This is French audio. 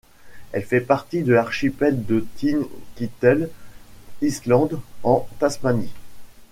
Elle fait partie de l'archipel de Tin Kettle Island, en Tasmanie.